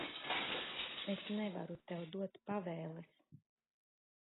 Es nevaru tev dot pavēles.